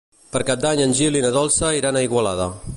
Per Cap d'Any en Gil i na Dolça iran a Igualada.